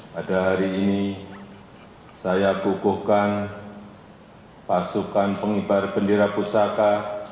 pada hari ini saya hukumkan pasukan pengibar bendera